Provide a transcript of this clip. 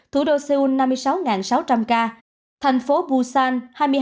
thủ đô seoul năm mươi sáu sáu trăm linh ca thành phố busan